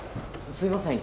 すいません